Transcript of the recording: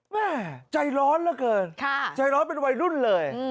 แม่ใจร้อนเหลือเกินใจร้อนเป็นวัยรุ่นเลย